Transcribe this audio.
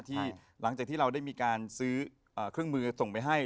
หลังจากที่เราได้มีการซื้อเครื่องมือส่งไปให้